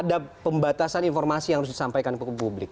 ada pembatasan informasi yang harus disampaikan ke publik